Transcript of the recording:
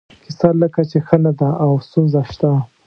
کیسه لکه چې ښه نه ده او ستونزه شته.